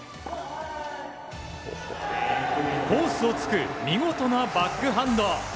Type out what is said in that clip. コースを突く見事なバックハンド。